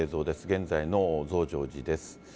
現在の増上寺です。